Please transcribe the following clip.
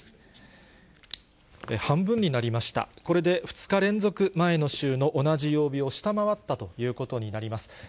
これで２日連続、前の週の同じ曜日を下回ったということになります。